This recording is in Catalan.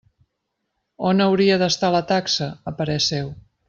On hauria d'estar la taxa, a parer seu?